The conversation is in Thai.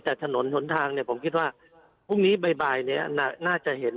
แต่ถนนหนทางเนี่ยผมคิดว่าพรุ่งนี้บ่ายเนี่ยน่าจะเห็น